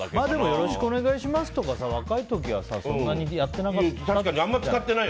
よろしくお願いしますとかは若い時はそんなにやってなかったよね。